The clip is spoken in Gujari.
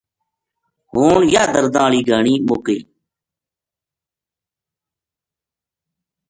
ہون یاہ درداں ہالی گھان مُک گئی